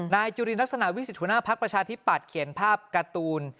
จุลินลักษณะวิสิทธิหัวหน้าพักประชาธิปัตยเขียนภาพการ์ตูน